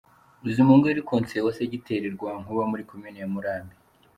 Bizimungu yari Konseye wa Segiteri Rwankuba muri Komini ya Murambi.